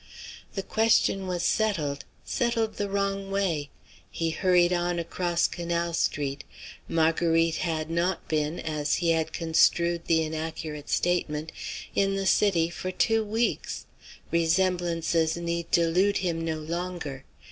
The question was settled; settled the wrong way. He hurried on across Canal Street. Marguerite had not been, as he had construed the inaccurate statement, in the city for two weeks. Resemblances need delude him no longer.